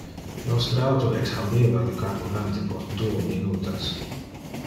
Nostre auto exhauriva le carburante post duo minutas.